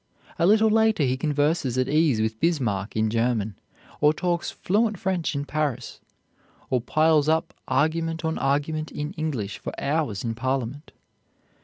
A little later he converses at ease with Bismarck in German, or talks fluent French in Paris, or piles up argument on argument in English for hours in Parliament.